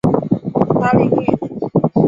拉尼利。